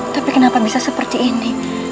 tapi kenapa bisa seperti ini